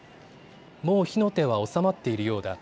もう火の手は収まっているようだ。